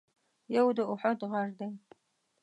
یو د اُحد غر دی.